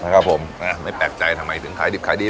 ครับผมไม่แปลกใจทำไมทิ้งไคร่ดีแบบนี้